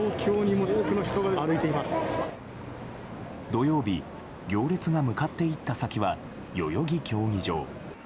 土曜日行列が向かっていった先は代々木競技場。